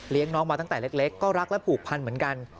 น้องมาตั้งแต่เล็กก็รักและผูกพันเหมือนกัน